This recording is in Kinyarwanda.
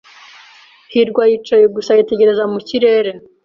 hirwa yicaye gusa yitegereza mu kirere.